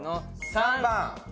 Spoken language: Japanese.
３番！